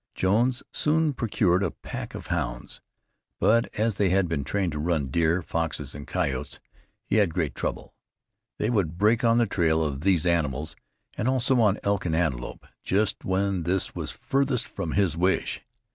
Jones soon procured a pack of hounds, but as they had been trained to run deer, foxes and coyotes he had great trouble. They would break on the trail of these animals, and also on elk and antelope just when this was farthest from his wish.